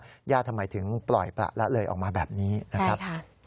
ญาติทำไมถึงปล่อยประละเลยออกมาแบบนี้นะครับ